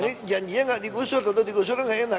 nah ini janjinya nggak digusur tentu digusur nggak enak